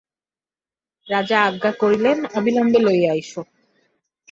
রাজা আজ্ঞা করিলেন অবিলম্বে লইয়া আইস।